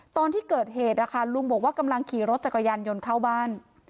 ตอนที่เกิดเหตุนะคะลุงบอกว่ากำลังขี่รถจักรยานยนต์เข้าบ้าน